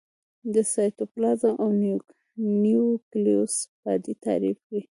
د سایتوپلازم او نیوکلیوس باډي تعریف کړي.